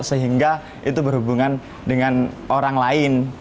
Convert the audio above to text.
sehingga itu berhubungan dengan orang lain